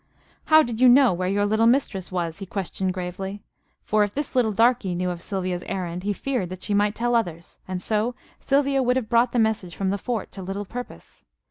"How did you know where your little mistress was?" he questioned gravely. For if this little darky knew of Sylvia's errand he feared that she might tell others, and so Sylvia would have brought the message from the fort to little purpose.